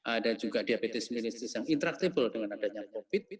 ada juga diabetes milenistis yang intraktable dengan adanya covid